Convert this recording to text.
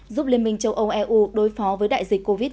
giúp liên minh châu âu eu đối phó với đại dịch covid một mươi chín